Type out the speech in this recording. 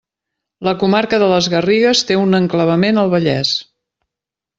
La comarca de les Garrigues té un enclavament al Vallès.